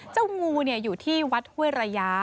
เจ้างูเนี่ยอยู่ที่วัดเวรยา